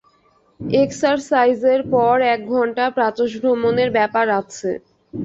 একসারসাইজের পর এক ঘন্টা প্রাতঃভ্রমণের ব্যাপার আছে।